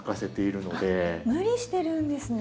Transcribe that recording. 無理してるんですね。